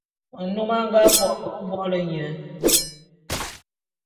Nnôm a nga bo ve vô'ôlô nye.